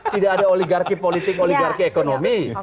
tidak ada oligarki politik oligarki ekonomi